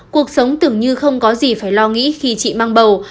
cuộc sống tưởng như không có gì phải lo nghĩ khi chị mang bầu